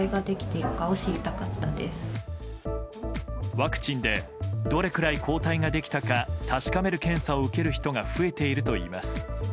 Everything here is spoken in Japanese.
ワクチンでどれくらい抗体ができたか確かめる検査を受ける人が増えているといいます。